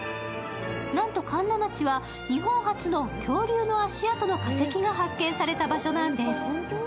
なんと神流町は日本初の恐竜の足跡の化石が発見された場所なんです。